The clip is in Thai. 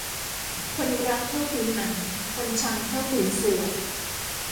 คนรักเท่าผืนหนัง คนชังเท่าผืนเสื่อ